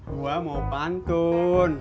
gue mau bantun